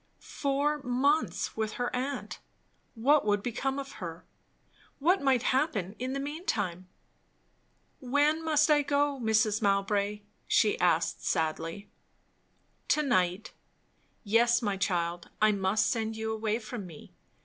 Four months with her aunt! What would become of her? What might happen in the mean time? "When must I go, Mrs. Mowbray?" she asked sadly. "To night. Yes, my child, I must send you away from me.